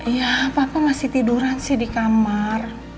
ya papa masih tiduran sih dikamar